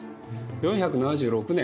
４７６年